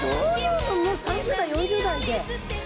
もう３０代４０代で。